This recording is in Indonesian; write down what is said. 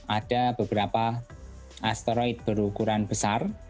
ada beberapa asteroid berukuran besar